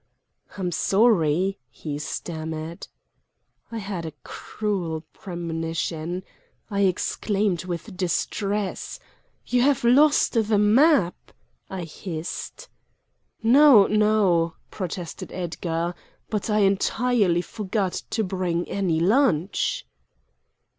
I'm sorry, he stammered. I had a cruel premonition. I exclaimed with distress. "You have lost the map!" I hissed. "No, no," protested Edgar; "but I entirely forgot to bring any lunch!"